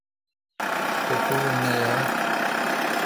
تہ پو نہ یال۔